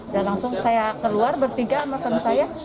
dan langsung saya keluar bertiga sama suami saya